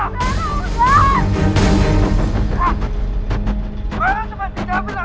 lo semua tidak berlaku jadi pelajar